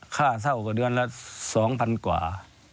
ค่าเศร้ากว่าเดือนละสองพันกว่า